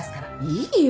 いいよ。